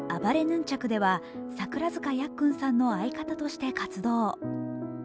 ヌンチャクでは桜塚やっくんさんの相方として活動。